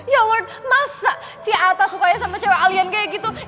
ya lord masa si ata sukanya sama cewek alien kayak gitu